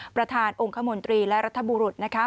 ประธานองค์คมนตรีและรัฐบุรุษนะคะ